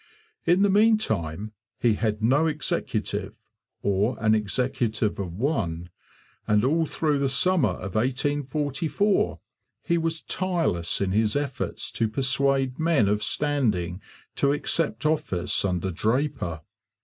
In the meantime he had no executive, or an executive of one; and all through the summer of 1844 he was tireless in his efforts to persuade men of standing to accept office under Draper.